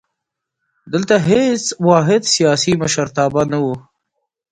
دلته هېڅ واحد سیاسي مشرتابه نه وو.